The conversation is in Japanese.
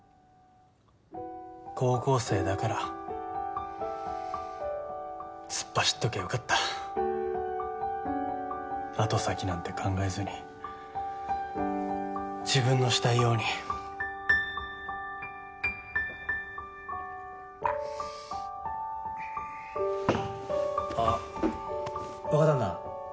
高校生だから突っ走っときゃよかった後先なんて考えずに自分のしたいようにあっ若旦那？